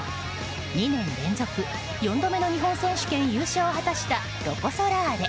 ２年連続４度目の日本選手権優勝を果たしたロコ・ソラーレ。